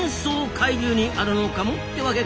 海流にあるのかもってワケか。